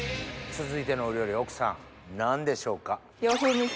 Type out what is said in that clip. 続いてのお料理は奥さん何でしょうか？